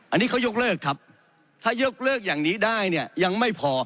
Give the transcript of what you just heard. อันนี้เขายกเลิกครับถ้ายกเลิกอย่างนี้ได้เนี่ยยังไม่พอ